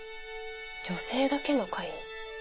女性だけの会。